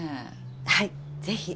はいぜひ。